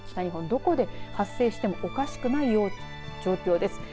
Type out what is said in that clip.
どこで発生してもおかしくない状況です。